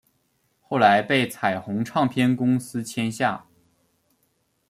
后来被彩虹唱片公司签下。